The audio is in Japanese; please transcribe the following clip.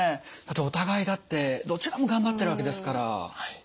お互いだってどちらもがんばってるわけですから。